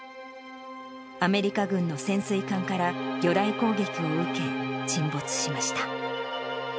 アメリカ軍の潜水艦から魚雷攻撃を受け、沈没しました。